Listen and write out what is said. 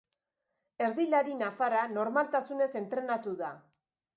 Erdilari nafarra normaltasunez entrenatu da.